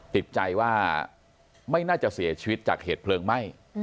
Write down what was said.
ติดใจว่าไม่น่าจะเสียชีวิตจากเหตุเพลิงไหม้